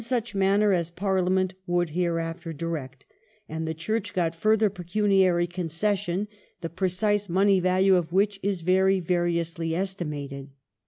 1873] THE IRISH CHURCH 389 such manner as Parliament should hereafter direct," and the Church got further pecuniary concession, the precise money value of which is very variously estimated.